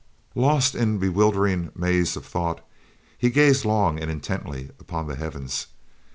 Lost in bewildering maze of thought, he gazed long and intently upon the heavens.